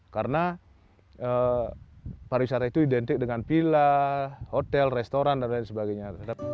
karena pariwisata itu identik dengan villa hotel restoran dan lain sebagainya